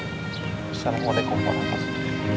assalamualaikum warahmatullahi wabarakatuh